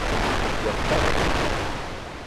Я встану сейчас.